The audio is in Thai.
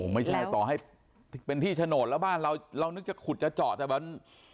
ไม่ใช่ต่อให้เป็นที่โฉนดแล้วบ้านเราเรานึกจะขุดจะเจาะแต่มัน